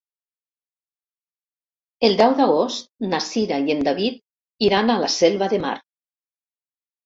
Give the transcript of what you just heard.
El deu d'agost na Cira i en David iran a la Selva de Mar.